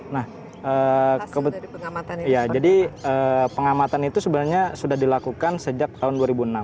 nah jadi pengamatan itu sebenarnya sudah dilakukan sejak tahun dua ribu enam